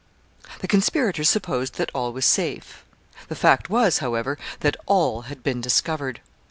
] The conspirators supposed that all was safe The fact was, however, that all had been discovered.